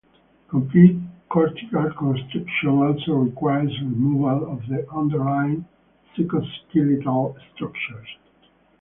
Complete cortical constriction also requires removal of the underlying cytoskeletal structures.